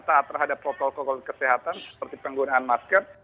saat terhadap protokol protokol kesehatan seperti penggunaan masker